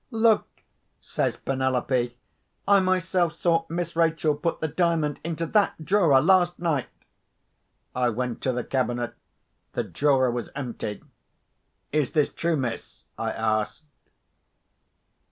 "Look!" says Penelope. "I myself saw Miss Rachel put the Diamond into that drawer last night." I went to the cabinet. The drawer was empty. "Is this true, miss?" I asked.